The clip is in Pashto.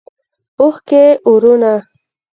اوښکې اورونه